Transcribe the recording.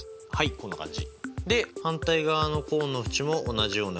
こんな感じ。